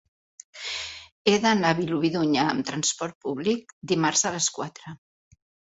He d'anar a Vilobí d'Onyar amb trasport públic dimarts a les quatre.